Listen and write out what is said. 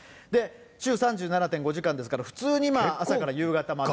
週３７．５時間ですから、普通にまあ、朝から夕方まで。